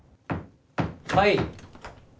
はい。